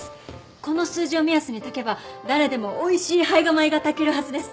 この数字を目安に炊けば誰でもおいしい胚芽米が炊けるはずです！